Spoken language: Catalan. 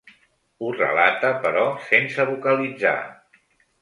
Ho relata però sense vocalitzar.